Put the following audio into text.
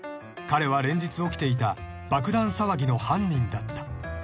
［彼は連日起きていた爆弾騒ぎの犯人だった］